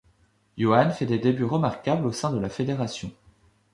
Yoann fait des débuts remarquable au sein de la fédération.